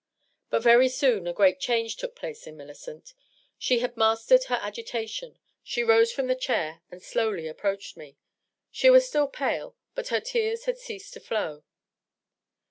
•. But very soon a great change took place in Millicent. She had mastered her agitation. She rose from the chair and slowly approached me. She was still pale, but her tears had ceased to flow.